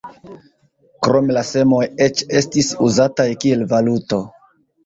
Krome la semoj eĉ estis uzataj kiel valuto.